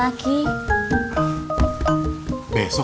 saya juga mau